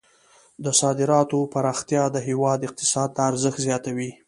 د صادراتو پراختیا د هیواد اقتصاد ته ارزښت زیاتوي.